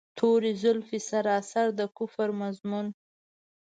توري زلفې سراسر د کفر مضمون.